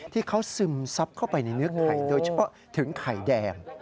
ซึมซับเข้าไปในเนื้อไข่โดยเฉพาะถึงไข่แดง